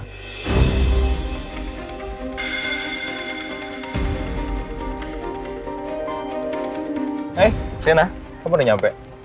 hei sena kamu udah nyampe